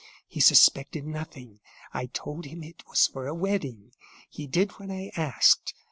He suspected nothing. I told him it was for a wedding; he did what I asked.